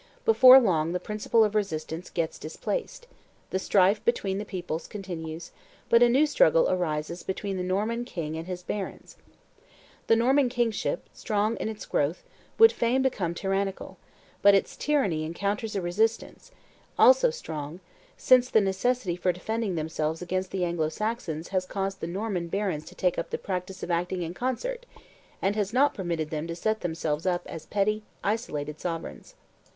Before long the principle of resistance gets displaced; the strife between the peoples continues; but a new struggle arises between the Norman king and his barons. The Norman kingship, strong in its growth, would fain become tyrannical; but its tyranny encounters a resistance, also strong, since the necessity for defending themselves against the Anglo Saxons has caused the Norman barons to take up the practice of acting in concert, and has not permitted them to set themselves up as petty, isolated sovereigns.